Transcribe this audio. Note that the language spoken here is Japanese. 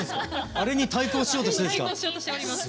あれに対抗しようとしてんですか。